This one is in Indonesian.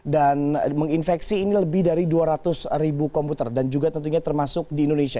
dan menginfeksi ini lebih dari dua ratus ribu komputer dan juga tentunya termasuk di indonesia